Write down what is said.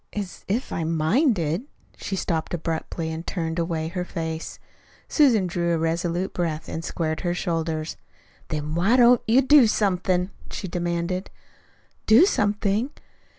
"As if I'd minded " She stopped abruptly and turned away her face. Susan drew a resolute breath and squared her shoulders. "Then why don't you do somethin'?" she demanded. "Do something?"